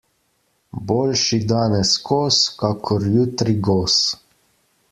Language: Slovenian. Boljši danes kos kakor jutri gos.